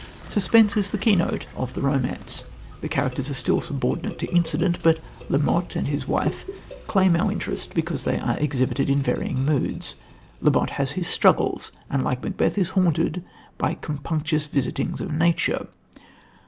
Suspense is the key note of the romance. The characters are still subordinate to incident, but La Motte and his wife claim our interest because they are exhibited in varying moods. La Motte has his struggles and, like Macbeth, is haunted by compunctious visitings of nature.